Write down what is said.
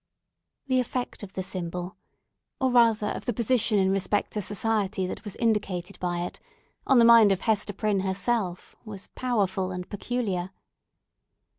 The effect of the symbol—or rather, of the position in respect to society that was indicated by it—on the mind of Hester Prynne herself was powerful and peculiar.